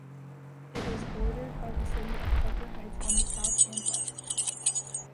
It is bordered by the city of Harker Heights on the south and west.